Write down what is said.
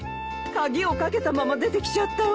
鍵を掛けたまま出てきちゃったわ。